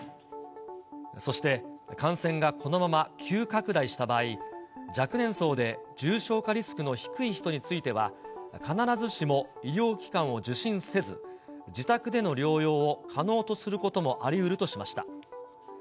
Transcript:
そして、感染がこのまま急拡大した場合、若年層で重症化リスクの低い人については、必ずしも医療機関を受診せず、自宅での療養を可能とすることもありうるとしました。